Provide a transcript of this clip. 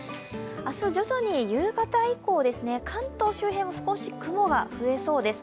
明日、徐々に夕方以降、関東周辺では雨が増えそうです。